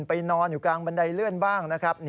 นอนอยู่กลางบันไดเลื่อนบ้างนะครับ